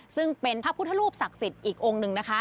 ซึ่งเป็นพระพุทธรูปศักดิ์สิทธิ์อีกองค์หนึ่งนะคะ